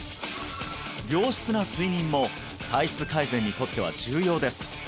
良質な睡眠も体質改善にとっては重要です